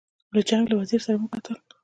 له جنګ له وزیر سره مو وکتل.